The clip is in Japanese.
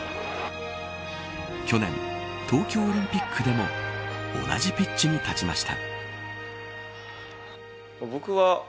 去年、東京オリンピックでも同じピッチに立ちました。